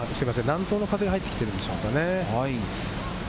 南東の風が入ってきてるんでしょうかね？